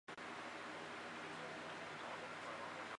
截基鸭绿乌头为毛茛科乌头属下的一个变种。